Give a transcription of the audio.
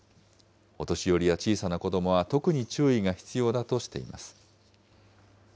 お年寄りや小さな子どもは特に注意が必要だとしています。